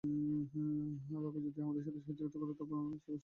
তবে যদি আমাদের সাথে সহযোগিতা করো তবে আমরা ওনার সর্বোত্তম চিকিৎসার ব্যবস্থা করব।